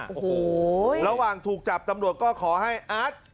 โอ้โหระหว่างถูกจับตำรวจก็ขอให้อาร์ต